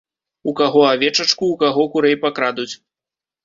У каго авечачку, у каго курэй пакрадуць.